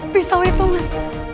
pisau itu mas